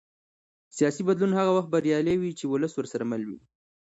سیاسي بدلون هغه وخت بریالی وي چې ولس ورسره مل وي